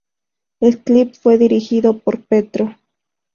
El clip fue dirigido por Petro.